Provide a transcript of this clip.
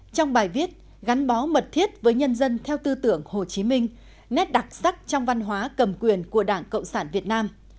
trong bài viết gắn bó mật thiết với nhân dân theo tư tưởng hồ chí minh nét đặc sắc trong văn hóa cầm quyền của đảng cộng sản việt nam